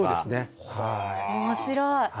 面白い！